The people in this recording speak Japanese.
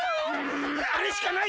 んあれしかない！